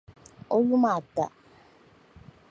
O yuma ata.